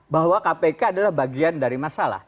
bahwa kpk adalah bagian dari masalah